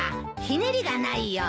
ひねりがないよ。